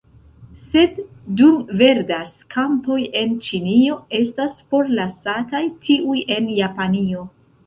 Sed, dum verdas kampoj en Ĉinio, estas forlasataj tiuj en Japanio.